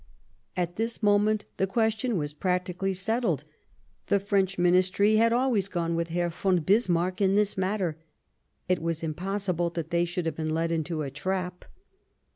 At this moment the question was practically settled ; the French Ministry had always gone with Herr von Bismarck in this matter ; it was impossible that they should have been led into a trap.